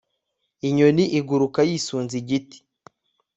inyoni iguruka yisunze agati